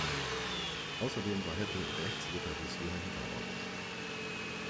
Außerdem war Heppe Rechtsritter des Johanniterordens.